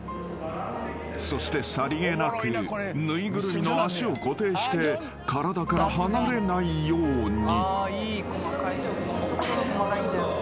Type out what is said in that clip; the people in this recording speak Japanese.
［そしてさりげなく縫いぐるみの足を固定して体から離れないように］